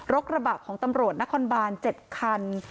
กระบะของตำรวจนครบาน๗คัน